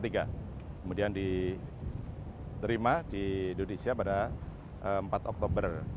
kemudian diterima di indonesia pada empat oktober seribu sembilan ratus lima puluh tiga